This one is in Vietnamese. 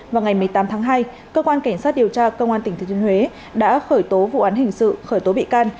vào ngày một mươi tám tháng hai cơ quan cảnh sát điều tra công an tỉnh thừa thiên huế đã khởi tố vụ án hình sự khởi tố bị can